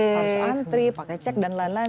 harus antri pakai cek dan lain lain